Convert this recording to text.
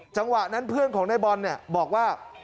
จังหวะนั้นเพื่อนของนายบอลบอกว่า